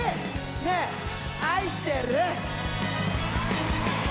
ねえ、愛してるー！